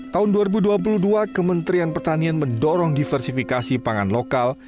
tahun dua ribu dua puluh dua kementerian pertanian mendorong diversifikasi pangan lokal